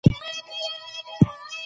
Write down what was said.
حبشي غلام د مدینې په بازار کې مشهور شو.